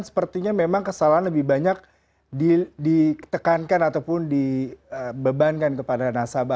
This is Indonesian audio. sepertinya memang kesalahan lebih banyak ditekankan ataupun dibebankan kepada nasabah